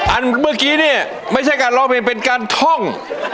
เมื่อกี้เนี่ยไม่ใช่การร้องเพลงเป็นการท่อง